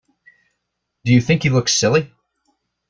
Do you think he looks silly?